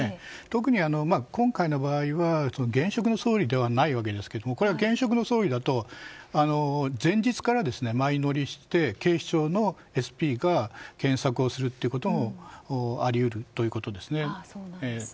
特に、今回の場合は現職の総理ではないわけですがこれが現職の総理だと前日から前乗りをして、警視庁のＳＰが検索をするということもありうるということですね。